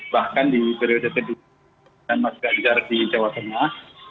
bahkan di periode ke dua dengan mas ganjar di jawa tengah